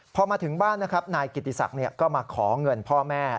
พอมาถึงบ้านนะครับนายกิติศักดิ์ก็มาขอเงินพ่อแม่